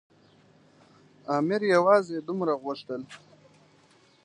امیر یوازې دومره غوښتل.